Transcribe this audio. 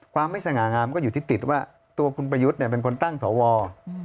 ความไม่สง่างามก็อยู่ที่ติดว่าตัวคุณประยุทธ์เป็นคนตั้งสว